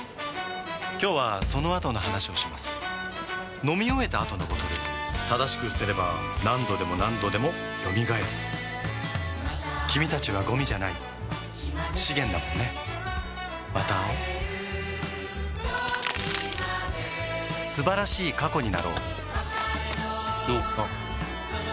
今日はそのあとの話をします飲み終えた後のボトル正しく捨てれば何度でも何度でも蘇る君たちはゴミじゃない資源だもんねまた会おう素晴らしい過去になろうおっおっ